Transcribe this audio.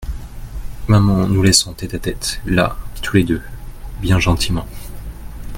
Maman nous laisse en tête-à-tête, Là, tous les deux, bien gentiment.